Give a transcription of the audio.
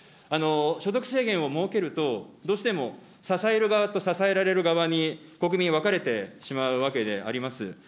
所得制限を設けると、どうしても支える側と支えられる側に、国民、分かれてしまうわけであります。